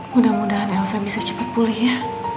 mudah mudahan elsa bisa cepat pulih ya